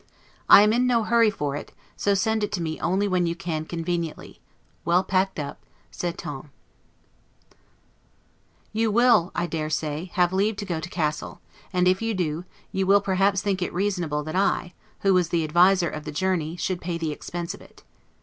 I am in no hurry for it, so send it me only when you can conveniently; well packed up 's'entend'. You will, I dare say, have leave to go to Cassel; and if you do go, you will perhaps think it reasonable, that I, who was the adviser of the journey, should pay the expense of it.